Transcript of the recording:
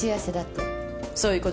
そういうことです。